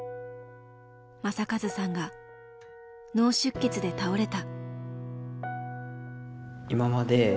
正和さんが脳出血で倒れた。